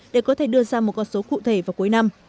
để có thể đưa ra một con số cụ thể vào cuối năm